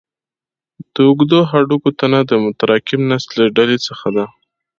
د اوږدو هډوکو تنه د متراکم نسج له ډلې څخه ده.